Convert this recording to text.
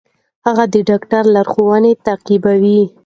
هغه د ډاکټر لارښوونې تعقیبوي.